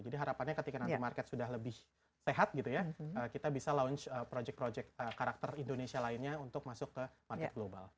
jadi harapannya ketika nanti market sudah lebih tehat gitu ya kita bisa launch projek projek karakter indonesia lainnya untuk masuk ke market global